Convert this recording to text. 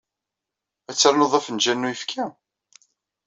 Ad ternuḍ afenjal n uyefki?